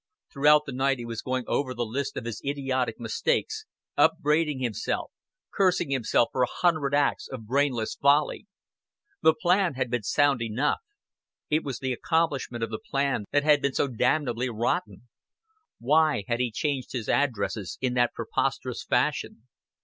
Throughout the night he was going over the list of his idiotic mistakes, upbraiding himself, cursing himself for a hundred acts of brainless folly. The plan had been sound enough: it was the accomplishment of the plan that had been so damnably rotten. Why had he changed his addresses in that preposterous fashion?